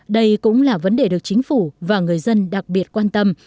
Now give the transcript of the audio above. đây cũng là vấn đề được chính phủ và người dân đặc biệt quan tâm